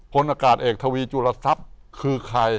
พลอากาศเอกทวีจุลทรัพย์คือใคร